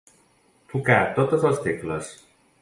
Tocar totes les tecles.